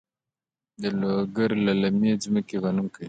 د لوګر للمي ځمکې غنم کوي؟